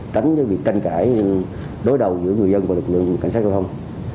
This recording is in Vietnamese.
tránh việc tranh cãi đối đầu giữa người dân và lực lượng cảnh sát giao thông